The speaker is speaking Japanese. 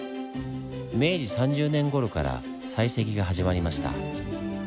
明治３０年ごろから採石が始まりました。